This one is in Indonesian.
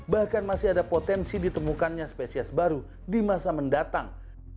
bahkan masih ada potensi ditemukannya spesies baru di masa mendatang